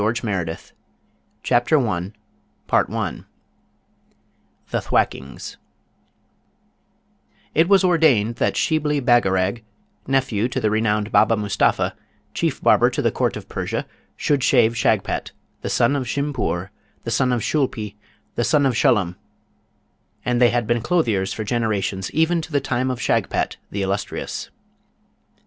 THE THWACKINGS THE STORY OF BHANAVAR THE BEAUTIFUL THE THWACKINGS It was ordained that Shibli Bagarag, nephew to the renowned Baba Mustapha, chief barber to the Court of Persia, should shave Shagpat, the son of Shimpoor, the son of Shoolpi, the son of Shullum; and they had been clothiers for generations, even to the time of Shagpat, the illustrious.